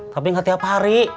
tapi nggak tiap hari